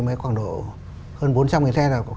mấy khoảng độ hơn bốn trăm linh nghìn xe